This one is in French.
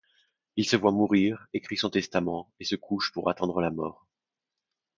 Il se voit mourir, écrit son testament et se couche pour attendre la mort.